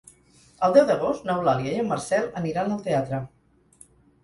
El deu d'agost n'Eulàlia i en Marcel aniran al teatre.